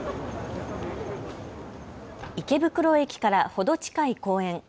池袋駅から程近い公園。